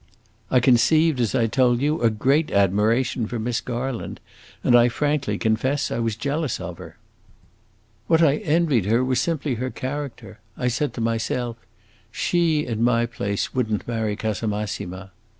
"I conceived, as I told you, a great admiration for Miss Garland, and I frankly confess I was jealous of her. What I envied her was simply her character! I said to myself, 'She, in my place, would n't marry Casamassima.